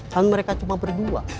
kan mereka cuma berdua